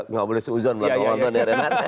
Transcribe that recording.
nggak boleh seuzon